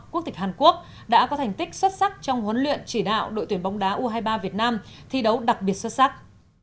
quốc tịch hàn quốc đã có thành tích xuất sắc trong huấn luyện chỉ đạo đội tuyển bóng đá u hai mươi ba việt nam thi đấu đặc biệt xuất sắc